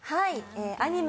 アニメ